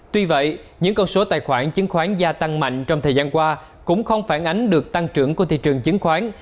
tuy vậy những con số tài khoản chứng khoán gia tăng mạnh trong thời gian qua cũng không phản ánh được tăng trưởng của thị trường chứng khoán